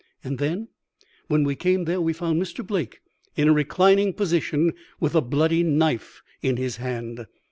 "'And then?' "'When we came there we found Mr. Blake in a reclining position, with a bloody knife in his hand.